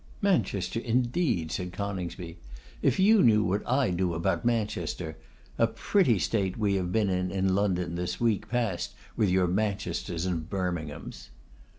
'Manchester, indeed!' said Coningsby; 'if you knew what I do about Manchester! A pretty state we have been in in London this week past with your Manchesters and Birminghams!